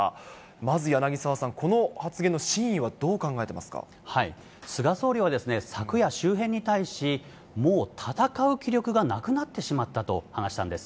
まず柳沢さん、この発言の真意は菅総理は昨夜、周辺に対し、もう戦う気力がなくなってしまったと話したんです。